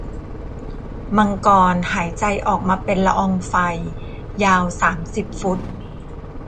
มังกรหายใจออกมาเป็นละอองไฟยาวสามสิบฟุต